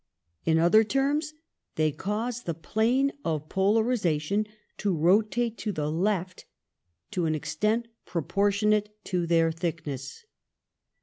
In other terms they cause the plane of polarisation to rotate to the left to an extent proportionate to their thick ness.